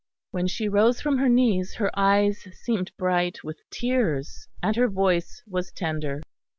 When she rose from her knees, her eyes seemed bright with tears, and her voice was tender.